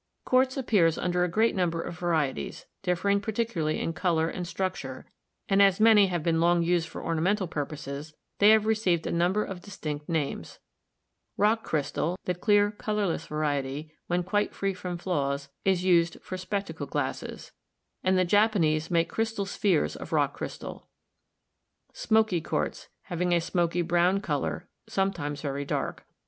Quartz appears under a great number of varieties, dif fering particularly in color and structure, and as many have long been used for ornamental purposes, they have received a number of distinct names: Rock crystal, the clear colorless variety; when quite free from flaws it is used for spectacle glasses, and the Japanese make crystal spheres of rock crystal; smoky quartz, having a smoky brown color, sometimes very dark.